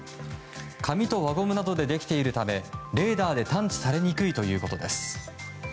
紙と輪ゴムなどでできているためレーダーで探知されにくいということです。